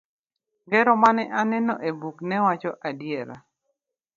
Ngero mane aneno e buk ne wacho adiera.